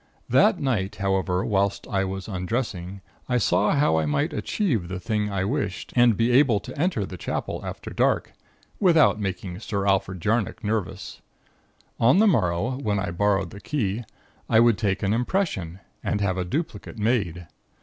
"That night, however, whilst I was undressing, I saw how I might achieve the thing I wished, and be able to enter the Chapel after dark, without making Sir Alfred Jarnock nervous. On the morrow, when I borrowed the key, I would take an impression, and have a duplicate made.